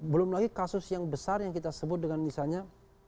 belum lagi kasus yang besar yang kita sebut dengan misalnya